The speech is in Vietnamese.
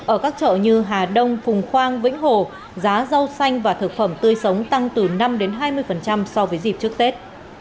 ở các chợ như hà đông phùng khoang vĩnh hồ giá rau xanh và thực phẩm tươi sống tăng từ năm hai mươi so với dịp trước tết